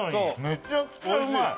めちゃくちゃうまい！